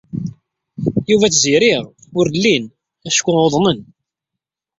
Yuba d Tiziri ur llin acku uḍnen.